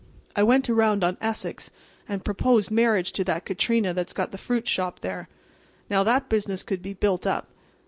I went around on Essex and proposed marriage to that Catrina that's got the fruit shop there. Now, that business could be built up.